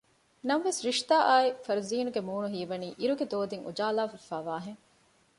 ނަމަވެސް ރިޝްދާ އާއި ފަރުޒީނުގެ މޫނު ހީވަނީ އިރުގެ ދޯދިން އުޖާލާވެފައި ވާހެން